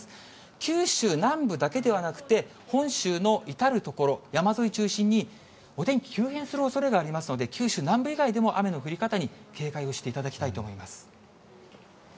九州南部だけではなくて、本州の至る所、山沿いを中心に、お天気、急変するおそれがありますので、九州南部以外でも雨の降り方に警戒をしていただきたいと思います。